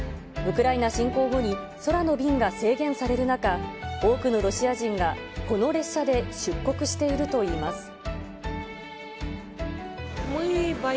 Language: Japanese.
ウクライナ侵攻後に、空の便が制限される中、多くのロシア人がこの列車で出国しているといいます。